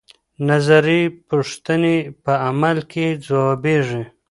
نظري پوښتنې په عمل کې ځوابيږي.